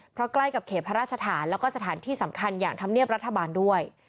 เพราะใกล้กับเขตพระราชฐานแล้วก็สถานที่สำคัญอย่างธรรมเนียบรัฐบาลด้วย